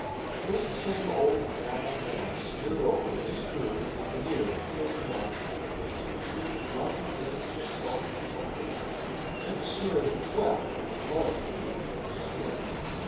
It is the same old animal man, smeared over, it is true, with a veneer, thin and magical, that makes him dream drunken dreams of self exaltation and to sneer at the flesh and the blood of him beneath the smear.